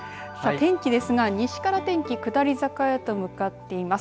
天気ですが西から天気下り坂へと向かっています。